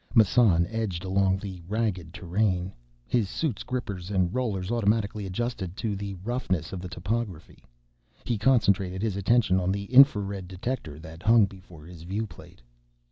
Massan edged along the ragged terrain. His suit's grippers and rollers automatically adjusted to the roughness of the topography. He concentrated his attention on the infrared detector that hung before his viewplate.